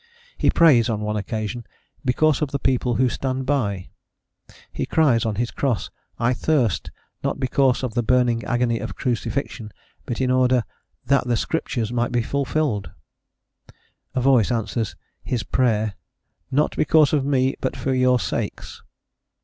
He prays, on one occasion, "because of the people who stand by:" he cries on his cross, "I thirst," not because of the burning agony of crucifixion, but in order "that the Scriptures might be fulfilled:" a voice answers "his prayer," "not because of me, but for your sakes."